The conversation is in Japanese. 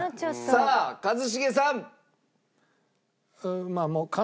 さあ一茂さん。